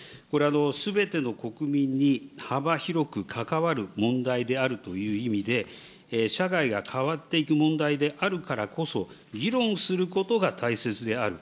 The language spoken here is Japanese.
すべての国民に幅広く関わる問題であるという意味で、社会が変わっていく問題であるからこそ、議論することが大切である。